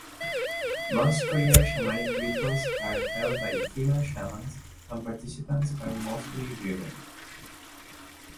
Most Korean shamanic rituals are held by female shamans and participants are mostly women.